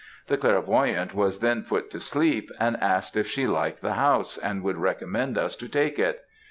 "The clairvoyante was then put to sleep, and asked if she liked the house, and would recommend us to take it.